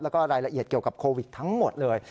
แล้วก็รายละเอียดเกี่ยวกับโควิดทั้งหมดเลย